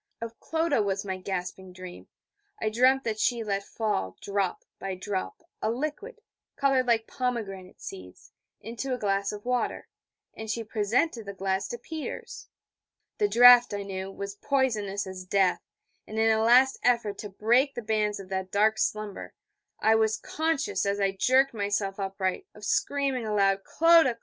Of Clodagh was my gasping dream. I dreamed that she let fall, drop by drop, a liquid, coloured like pomegranate seeds, into a glass of water; and she presented the glass to Peters. The draught, I knew, was poisonous as death: and in a last effort to break the bands of that dark slumber, I was conscious, as I jerked myself upright, of screaming aloud: 'Clodagh!